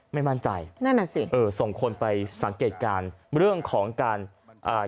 ไม่มั่นใจนั่นอ่ะสิเออส่งคนไปสังเกตการณ์เรื่องของการอ่า